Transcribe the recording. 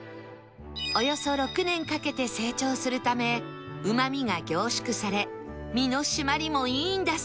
およそ６年かけて成長するためうまみが凝縮され身の締まりもいいんだそうです